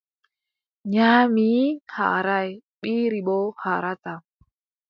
Nyaamii haaraay, ɓiiri boo haarataa.